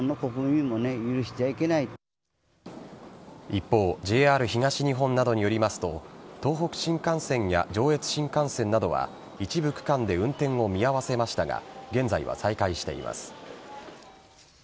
一方ＪＲ東日本などによりますと東北新幹線や上越新幹線などは一部区間で運転を見合わせましたが現在は再開しています。